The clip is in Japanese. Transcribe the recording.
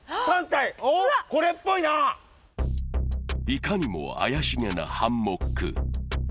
いかにも怪しげなハンモック。